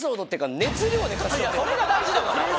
それが大事だから！